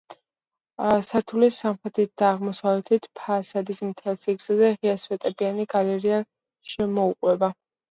სართულს სამხრეთით და აღმოსავლეთით, ფასადის მთელ სიგრძეზე, ღია, სვეტებიანი გალერეა შემოუყვება.